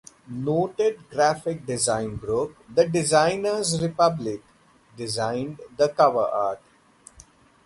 Noted graphic design group The Designers Republic designed the cover art.